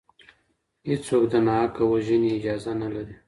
هیڅوک د ناحقه وژنې اجازه نه لري.